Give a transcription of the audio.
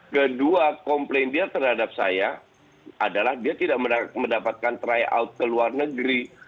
kedua komplain dia terhadap saya adalah dia tidak mendapatkan tryout ke luar negeri